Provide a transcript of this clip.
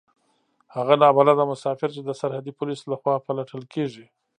هغه نا بلده مسافر چې د سرحدي پوليسو له خوا پلټل کېږي.